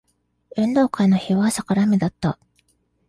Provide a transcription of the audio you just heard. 運動会の日は朝から雨だった